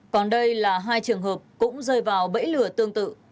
còn đây là hai trường hợp cũng rơi vào bẫy lửa tương tự